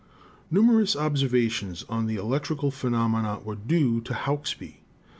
"Numerous observations on the electrical phenomena were due to Hauksbee.